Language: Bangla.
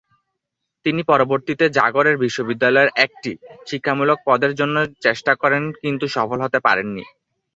তিনি পরবর্তীতে জাগরেব বিশ্ববিদ্যালয়ে একটি শিক্ষামূলক পদের জন্য চেষ্টা করেন কিন্তু সফল হতে পারেন নি।